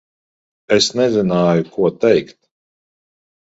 Es nezināju, ko teikt.